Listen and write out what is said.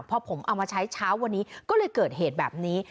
พอผมเอามาใช้เช้าวันนี้ก็เลยเกิดเหตุแบบนี้